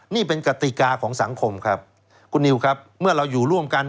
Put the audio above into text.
นี่เป็นกติกาของสังคมครับคุณนิวครับเมื่อเราอยู่ร่วมกัน